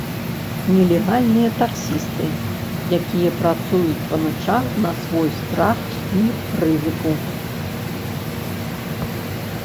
Нелегальныя таксісты, якія працуюць па начах на свой страх і рызыку.